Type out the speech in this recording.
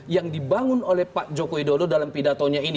yang dibangun oleh pak jokowi dodo dalam pidatonya ini